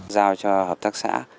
giao cho hợp tác xã